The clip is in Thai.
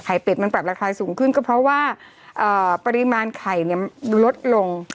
เป็ดมันปรับราคาสูงขึ้นก็เพราะว่าปริมาณไข่เนี่ยลดลง